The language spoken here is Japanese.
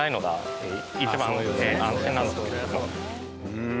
うん。